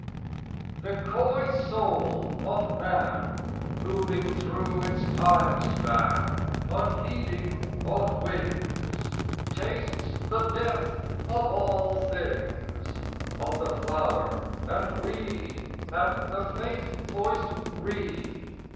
The coy soul of man, Moving through its time span, Unheeding of wings, Tastes the death of all things Of the flower and weed And the faint voiced reed.